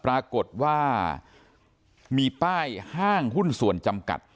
ปรากฏว่ามีป้ายห้างหุ้นส่วนจำกัด